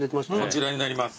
こちらになります。